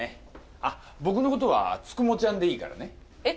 あっ、僕のことは九十九ちゃんでえっ？